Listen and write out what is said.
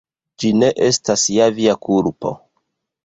Ĝi ne estas ja via kulpo!